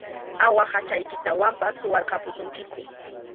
Awuhachaykitawanpas suwarqapusunkiku.